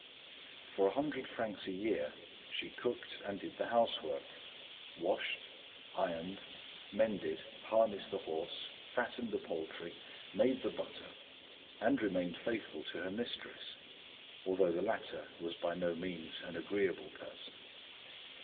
For a hundred francs a year, she cooked and did the housework, washed, ironed, mended, harnessed the horse, fattened the poultry, made the butter and remained faithful to her mistress although the latter was by no means an agreeable person.